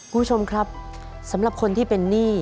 คุณผู้ชมครับสำหรับคนที่เป็นหนี้